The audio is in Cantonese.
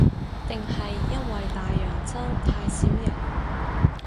定係因為大洋洲太少人